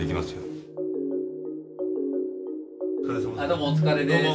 どうもお疲れです。